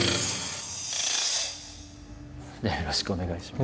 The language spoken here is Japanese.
よろしくお願いします。